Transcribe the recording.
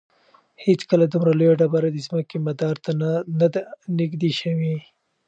هیڅکله دومره لویه ډبره د ځمکې مدار ته نه ده نږدې شوې.